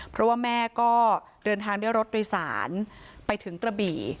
เพราะว่าแม่ก็เดินทางด้วยรถโดยสารไปถึงกระบี่